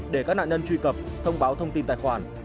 để các nạn nhân truy cập thông báo thông tin tài khoản